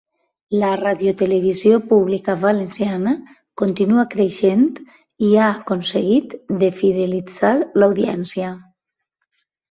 La radiotelevisió pública valenciana continua creixent i ha aconseguit de fidelitzar l’audiència.